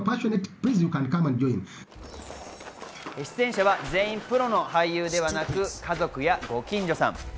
出演者は全員プロの俳優ではなく家族やご近所さん。